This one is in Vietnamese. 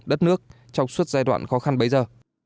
đất nước trong suốt giai đoạn khó khăn bây giờ